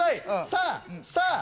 さあさあ。